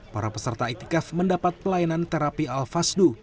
para peserta iktikaf mendapat pelayanan terapi al fasdu